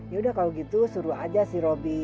yaudah kalau gitu suruh aja si robby